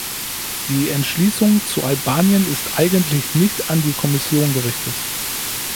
Die Entschließung zu Albanien ist eigentlich nicht an die Kommission gerichtet.